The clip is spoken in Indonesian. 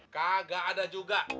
kagak ada juga